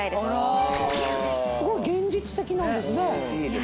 すごい現実的なんですね。